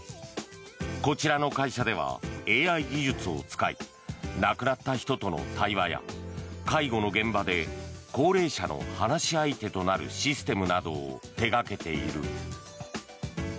こちらの会社ではＡＩ技術を使い亡くなった人との対話や介護の現場で高齢者の話し相手となるシステムなどを手掛けている。